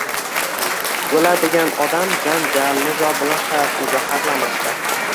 O`ladigan odam janjal, nizo bilan hayotini zaharlamaydi